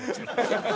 ハハハハ！